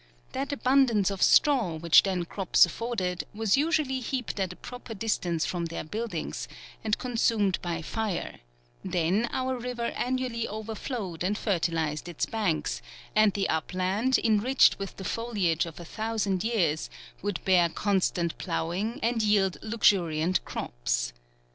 That abundance of straw, which then crops afforded, was usually heaped at a pro per distance from their buildings, and con sumed by fire ; then our river annually over flowed, and fertilized its banks ; and the up land, enriched with the foliage of a thousand years, would bear constant ploughing, and yield luxuriant crops.